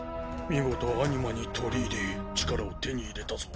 見事アニマに取り入り力を手に入れたぞ。